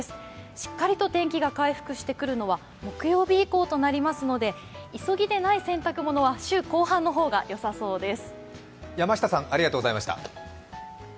しっかりと天気が回復してくるのは木曜日以降となりますので急ぎでない洗濯物は週後半の方がよさそうです。